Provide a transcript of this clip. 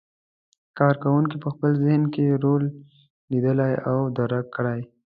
کار کوونکي په خپل ذهن کې رول لیدلی او درک کړی.